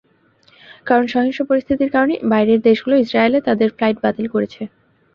কারণ, সহিংস পরিস্থিতির কারণে বাইরের দেশগুলো ইসরায়েলে তাদের ফ্লাইট বাতিল করেছে।